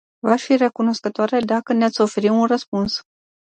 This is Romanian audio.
V-aș fi recunoscătoare dacă ne-ați oferi un răspuns.